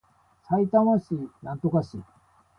埼玉県蓮田市